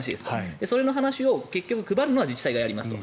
それの話を結局、配るのは自治体がやりますと。